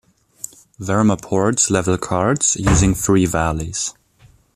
Vermaports level carts using three valleys.